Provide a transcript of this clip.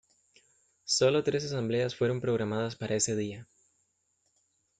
Sólo tres asambleas fueron programadas para ese día.